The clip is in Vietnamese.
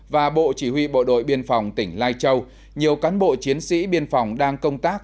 và bộ chỉ huy bộ đội biên phòng tỉnh lai châu nhiều cán bộ chiến sĩ biên phòng đang công tác